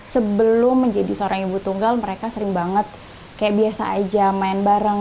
sebelum menjadi seorang ibu tunggal mereka sering banget kayak biasa aja main bareng